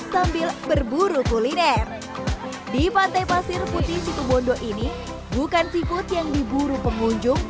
sambil berburu kuliner di pantai pasir putih situbondo ini bukan seafood yang diburu pengunjung